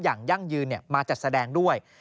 ยั่งยืนมาจัดแสดงด้วย